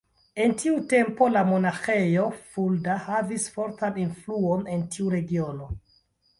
En tiu tempo la monaĥejo Fulda havis fortan influon en tiu regiono.